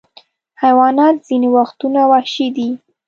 حیوانات ځینې وختونه وحشي دي.